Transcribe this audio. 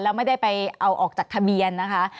แล้วไม่ได้ไปเอาออกจากทะเบียนนะคะ